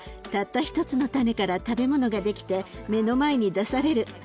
たった一つの種から食べ物ができて目の前に出される。